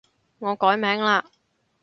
我改名嘞